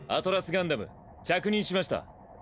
ガンダム着任しました。